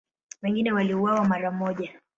Wengine waliuawa mara moja.